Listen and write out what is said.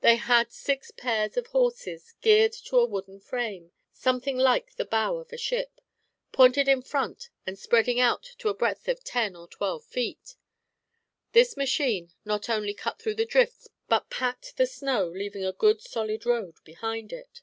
They had six pairs of horses geared to a wooden frame, something like the bow of a ship, pointed in front and spreading out to a breadth of ten or twelve feet. This machine not only cut through the drifts but packed the snow, leaving a good, solid road behind it.